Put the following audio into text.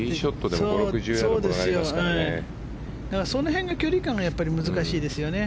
その辺の距離感がやっぱり難しいですよね。